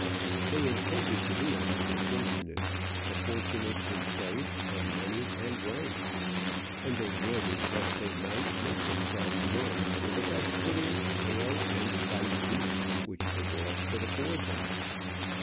They intended to be among the fortunate, the fortunate in place, and money, and rank; and they would, as best they might, make themselves warm with the best pudding, ale, and spiced beef which the world could afford them.